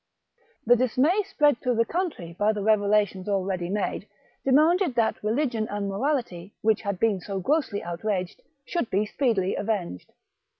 The dismay spread through the country by the revelations already made, demanded that religion and morality, which had been so grossly outraged, should be speedily avenged.